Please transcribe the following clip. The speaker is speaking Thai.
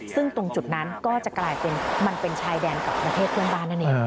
ซึ่งตรงจุดนั้นก็จะกลายเป็นมันเป็นชายแดนกับประเทศเพื่อนบ้านนั่นเอง